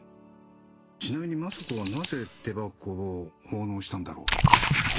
ちなみに政子はなぜ手箱を奉納したんだろう？